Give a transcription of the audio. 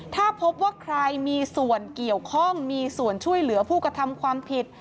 ถ้าพบว่าใครมีส่วนเกี่ยวข้องมีส่วนช่วยเหลือผู้กระทำความผิด